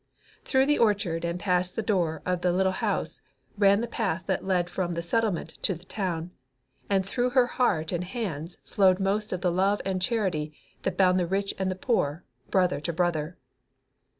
Through the orchard and past the door of the Little House ran the path that led from the Settlement to the Town, and through her heart and hands flowed most of the love and charity that bound the rich and poor, brother to brother.